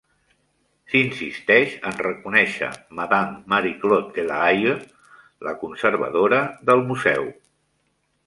S'insisteix en reconèixer Madame Marie-Claude Delahaye, la conservadora del museu.